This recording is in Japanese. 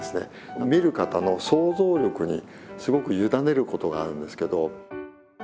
見る方の想像力にすごく委ねることがあるんですけど。